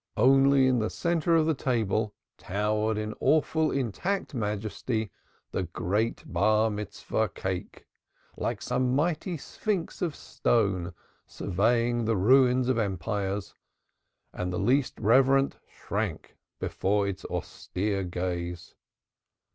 Only in the centre of the table towered in awful intact majesty the great Bar mitzvah cake, like some mighty sphinx of stone surveying the ruins of empires, and the least reverent shrank before its austere gaze.